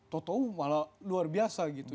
tau tau malah luar biasa gitu